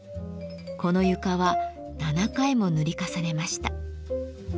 この床は７回も塗り重ねました。